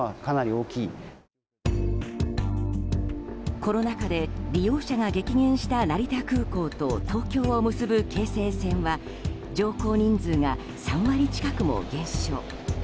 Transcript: コロナ禍で利用者が激減した成田空港と東京を結ぶ京成線は乗降人数が３割近くも減少。